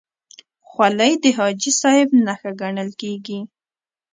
خولۍ د حاجي صاحب نښه ګڼل کېږي.